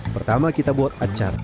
pertama kita buat acar